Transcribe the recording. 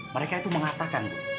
mereka itu mengatakan